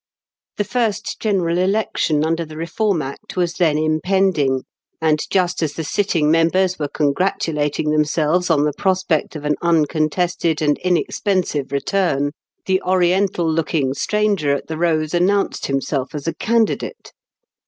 The first general election under the Reform MAD THOM. 143 Act was then impending, and, just as the sitting members were congratulating them selves on the prospect of an uncontested and inexpensive return, the oriental looking stranger at The Rose announced himself as a candidate.